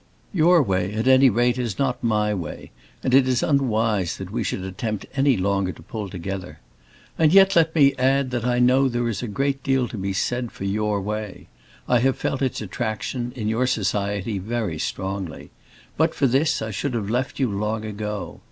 Your way at any rate is not my way, and it is unwise that we should attempt any longer to pull together. And yet, let me add that I know there is a great deal to be said for your way; I have felt its attraction, in your society, very strongly. But for this I should have left you long ago.